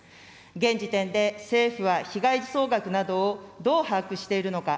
現時点で、政府は被害総額などをどう把握しているのか。